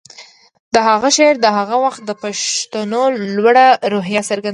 د هغه شعر د هغه وخت د پښتنو لوړه روحیه څرګندوي